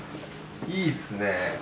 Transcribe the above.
いいっすね。